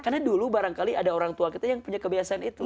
karena dulu barangkali ada orang tua kita yang punya kebiasaan itu